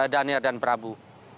daniel dan prabu